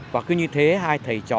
và cứ như thế hai thầy trò